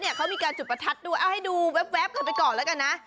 เขามีการจุดประทัดด้วยเอาให้ดูแว๊บกันไปก่อนแล้วกันนะ